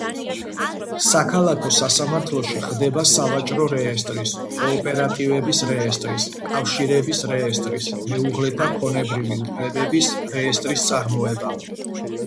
საქალაქო სასამართლოში ხდება სავაჭრო რეესტრის, კოოპერატივების რეესტრის, კავშირების რეესტრის, მეუღლეთა ქონებრივი უფლებების რეესტრის წარმოება.